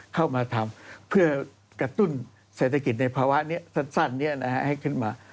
เข้ามาทำเพื่อกระตุ้นเศรษฐกิจในภาวะนี้สั้นให้ขึ้นมา